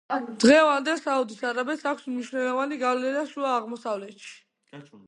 დღევანდელ საუდის არაბეთს აქვს მნიშვნელოვანი გავლენა შუა აღმოსავლეთში.